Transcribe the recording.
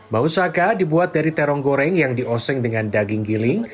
mau saka dibuat dari terong goreng yang dioseng dengan daging giling